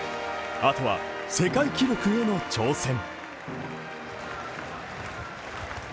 あとは世界記録への挑戦。